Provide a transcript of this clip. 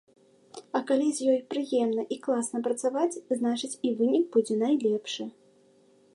А калі з ёй прыемна і класна працаваць, значыць, і вынік будзе найлепшы.